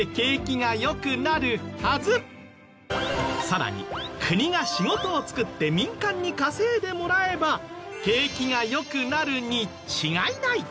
さらに国が仕事を作って民間に稼いでもらえば景気が良くなるに違いない。